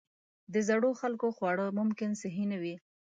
د زړو خلکو خواړه ممکن صحي نه وي.